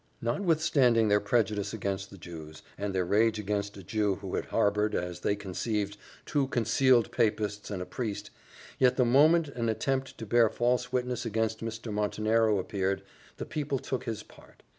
Notwithstanding their prejudice against the Jews, and their rage against a Jew who had harboured, as they conceived, two concealed papists and a priest, yet the moment an attempt to bear false witness against Mr. Montenero appeared, the people took his part.